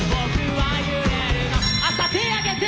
手上げて！